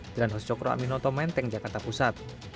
dan hos cokro aminoto menteng jakarta pusat